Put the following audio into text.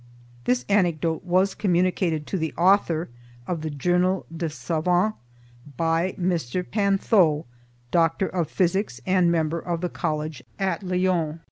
This anecdote was communicated to the author of the Journal des Savants by Mr. Panthot, Doctor of Physics and Member of the College at Lyons.